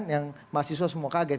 ya kan yang mahasiswa semua kaget